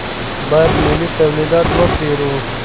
باید ملي تولیدات وپېرو.